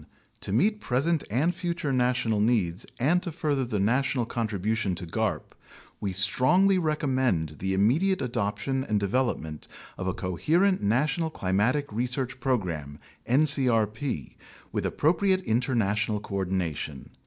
To meet present and future national needs and to further the national contribution to garp, we strongly recommend the immediate adoption and development of a coherent National Climatic Research Program (ncrp) with appropriate international coordination.